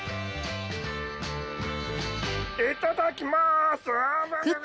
いただきます！